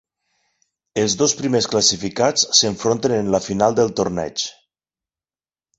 Els dos primers classificats s'enfronten en la final del torneig.